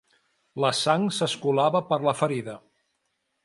La sang s'escolava per la ferida.